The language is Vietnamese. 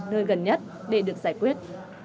nơi gần nhất để được giải quyết